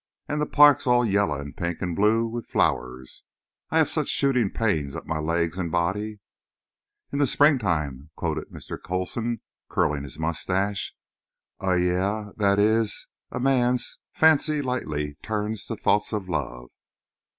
And the park's all yaller and pink and blue with flowers; and I have such shooting pains up my legs and body." "'In the spring,'" quoted Mr. Coulson, curling his mustache, "'a y–––– that is, a man's—fancy lightly turns to thoughts of love.